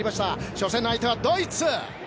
初戦の相手はドイツ。